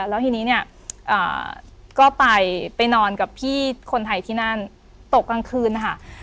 แล้วทีนี้เนี่ยก็ไปนอนกับพี่คนไทยที่นั่นตกกลางคืนนะคะ